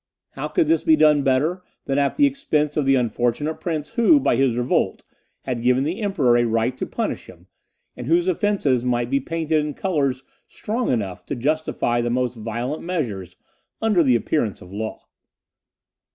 How could this be done better than at the expense of the unfortunate prince who, by his revolt, had given the Emperor a right to punish him, and whose offences might be painted in colours strong enough to justify the most violent measures under the appearance of law.